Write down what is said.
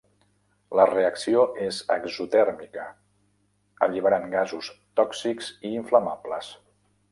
La reacció és exotèrmica, alliberant gasos tòxics i inflamables.